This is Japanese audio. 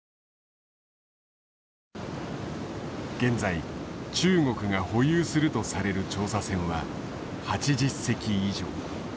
現在中国が保有するとされる調査船は８０隻以上。